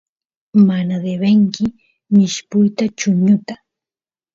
mana debenki mishpuyta chuñuta